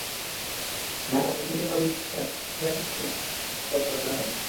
মায়ের অচিন্তনীয় অবিশ্বাস্য প্রতিক্রিয়ার শেল বিঁধে চুরমার করে দিল পাঁজরের হাড়গোড়।